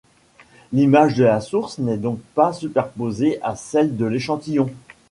L'image de la source n'est donc pas superposée à celle de l'échantillon.